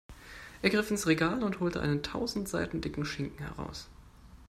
Er griff ins Regal und holte einen tausend Seiten dicken Schinken heraus.